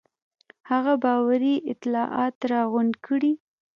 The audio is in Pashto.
هغه باوري اطلاعات راغونډ کړي.